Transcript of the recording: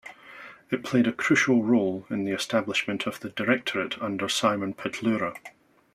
It played a crucial role in the establishment of the Directorate under Symon Petlura.